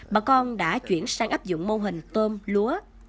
bà con đã chuyển sang áp dụng mô hình tôm lúa